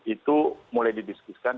itu mulai didiskusikan